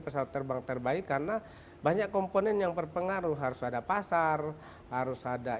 pesawat terbang terbaik karena banyak komponen yang berpengaruh harus ada pasar harus ada